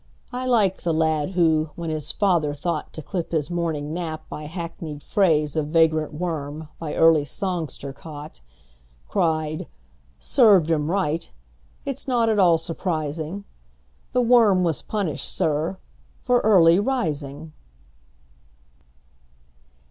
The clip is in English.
I like the lad who, when his father thoughtTo clip his morning nap by hackneyed phraseOf vagrant worm by early songster caught, Cried, "Served him right!—it 's not at all surprising; The worm was punished, sir, for early rising!"